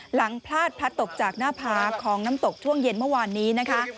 หลังพลาดพลัดตกจากหน้าผาของน้ำตกช่วงเย็นเมื่อวานนี้นะคะ